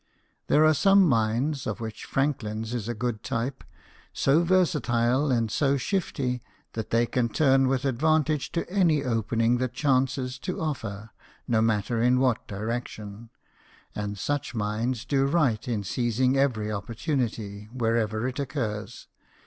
There are some minds, of which Franklin's is a good type, so versatile and so shifty that they can turn with advantage to any opening that chances to offer, no matter in what direction ; and such minds do right in seizing every oppor tunity, wherever it occurs.